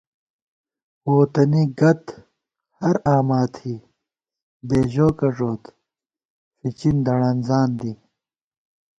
ووتَنی گد ہر آما تھی، بېژوکہ ݫوت، فِچِن دڑَنزان دی